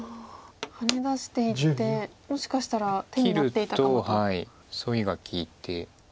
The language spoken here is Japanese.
ハネ出していってもしかしたら手になっていたかもと。